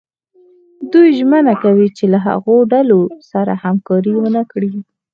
دوی ژمنه کوي چې له هغو ډلو سره همکاري ونه کړي.